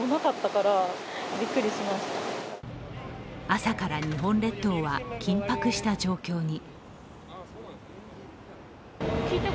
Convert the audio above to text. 朝から日本列島は緊迫した状況に。